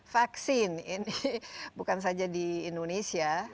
vaksin ini bukan saja di indonesia